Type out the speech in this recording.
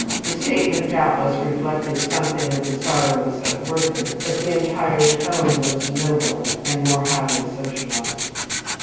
The statement doubtless reflected something of "The Sorrows of Werther," but the entire tone was nobler and more highly socialized.